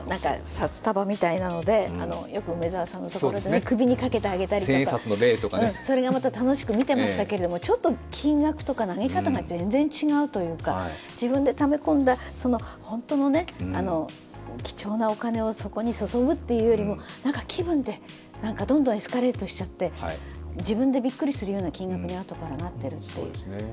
札束みたいな、よく梅沢さんとか首にかけてあげたりとかそれがまた楽しく見てましたけど、ちょっと金額とか、投げ方が全然違うというか、自分でため込んだ本当の貴重なお金をそこに注ぐというよりも気分で、どんどんエスカレートしちゃって、自分でびっくりするような金額にあとからなっている。